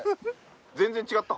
・全然違った？